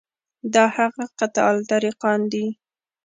دا هغه قطاع الطریقان دي.